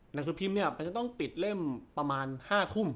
หนังสือพิมพ์เนี่ยมันจะต้องปิดเล่มประมาณ๕ทุ่ม